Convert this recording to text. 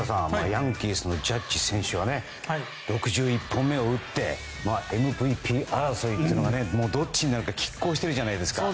ヤンキースのジャッジ選手は６１本目を打ってＭＶＰ争いというのがどっちになるか拮抗しているじゃないですか。